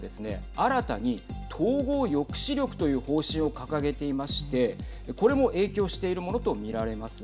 新たに統合抑止力という方針を掲げていましてこれも影響しているものと見られます。